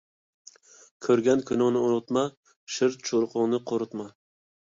كۆرگەن كۈنۈڭنى ئۇنۇتما، شىرچۇرۇقۇڭنى قۇرۇتما.